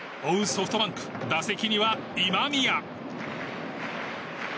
ソフトバンク打席には今宮。